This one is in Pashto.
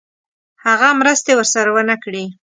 هغه مرستې ورسره ونه کړې.